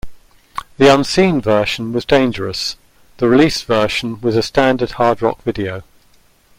The unseen version was dangerous; the released version was a standard hard rock video.